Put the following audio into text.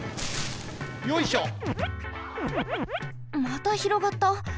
またひろがった。